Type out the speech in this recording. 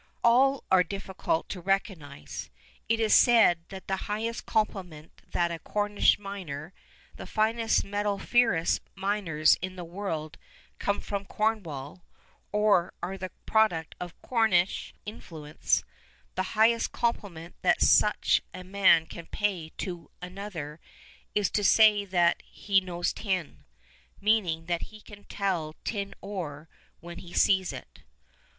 All are difficult to recognise. It is said that the highest compliment that a Cornish miner the finest metalliferous miners in the world come from Cornwall, or are the product of Cornish influence the highest compliment that such a man can pay to another is to say that "he knows tin," meaning that he can tell tin ore when he sees it.